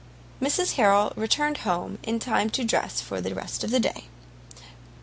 Mrs Harrel returned home only in time to dress for the rest of the day.